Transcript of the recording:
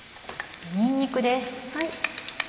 にんにくです。